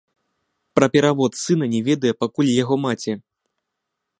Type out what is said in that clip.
Пра перавод сына не ведае пакуль яго маці.